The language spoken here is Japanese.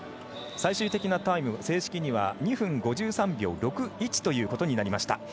最終的なタイム、正式には２分５３秒６１ということになりました。